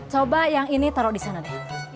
coba yang ini taruh di sana deh